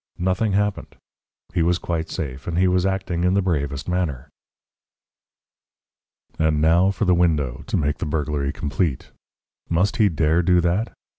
Nothing happened. He was quite safe. And he was acting in the bravest manner! And now for the window, to make the burglary complete! Must he dare do that?